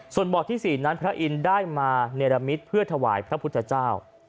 ส่วนบ่อที่๔นั้นพระอินทร์ได้มาเนรมิตเพื่อถวายพระพุทธเจ้า